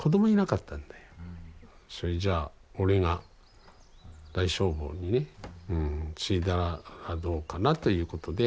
それじゃあ俺が大聖坊にね継いだらどうかなということで。